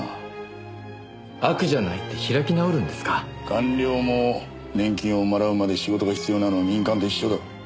官僚も年金をもらうまで仕事が必要なのは民間と一緒だ。